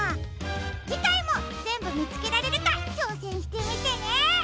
じかいもぜんぶみつけられるかちょうせんしてみてね！